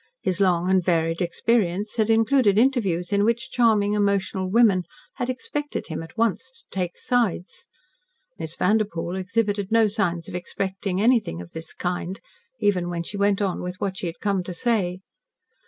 His long and varied experience had included interviews in which charming, emotional women had expected him at once to "take sides." Miss Vanderpoel exhibited no signs of expecting anything of this kind, even when she went on with what she had come to say.